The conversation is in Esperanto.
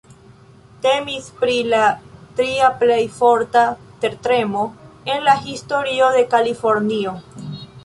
Temis pri la tria plej forta tertremo en la historio de Kalifornio.